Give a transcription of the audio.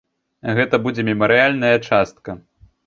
Гэта будзе мемарыяльная частка.